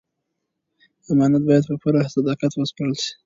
امانت باید په پوره صداقت وسپارل شي.